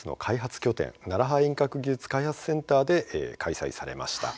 拠点葉遠隔技術開発センターで開催されました。